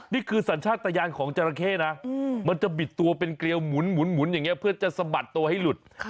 สัญชาติตะยานของจราเข้นะมันจะบิดตัวเป็นเกลียวหมุนอย่างนี้เพื่อจะสะบัดตัวให้หลุด